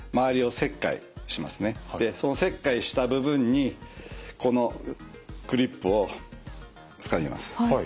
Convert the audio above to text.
その切開した部分にこのクリップをつかみます。